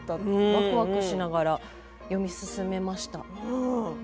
わくわくしながら読み進めました。